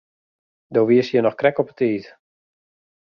Do wiest hjir noch krekt op 'e tiid.